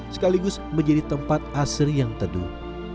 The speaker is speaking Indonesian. sekaligus menjadi tempat asri yang teduh